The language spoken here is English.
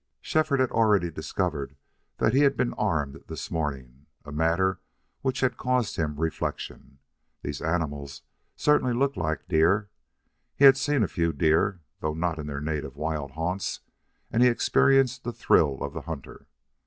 Shefford had already discovered that he had been armed this morning, a matter which had caused him reflection. These animals certainly looked like deer; he had seen a few deer, though not in their native wild haunts; and he experienced the thrill of the hunter.